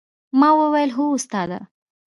ما وويل هو استاده.